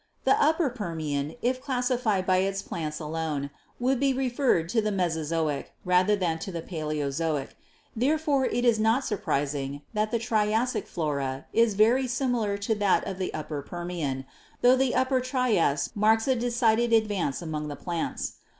The Upper Permian, if classi fied by its plants alone, would be referred to the Mesozoic rather than to the Paleozoic ; therefore it is not surprising that the Triassic flora is very similar to that of the Upper Permian, tho the Upper Trias marks a decided advance among the plants.